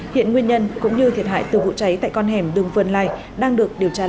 hiện nguyên nhân cũng như thiệt hại từ vụ cháy tại con hẻm đường vườn lai đang được điều tra làm rõ